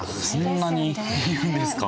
そんなにいるんですか。